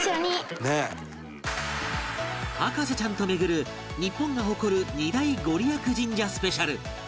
博士ちゃんと巡る日本が誇る２大ご利益神社スペシャル